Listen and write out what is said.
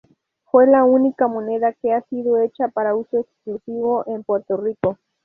Fue la única moneda que ha sido hecha para uso exclusivo en Puerto Rico.